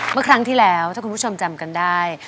เมื่อครั้งที่แล้วถ้าคุณผู้ชมจำกันได้